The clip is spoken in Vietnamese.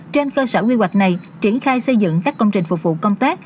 trên cơ sở quy hoạch này triển khai xây dựng các công trình phục vụ công tác